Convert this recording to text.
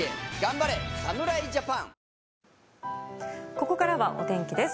ここからはお天気です。